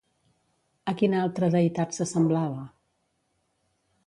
A quina altra deïtat s'assemblava?